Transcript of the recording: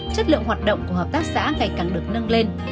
chất lượng hoạt động của hợp tác xã ngày càng được nâng lên